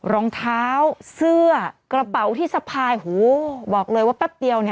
รองเท้าเสื้อกระเป๋าที่สะพายหูบอกเลยว่าแป๊บเดียวเนี่ย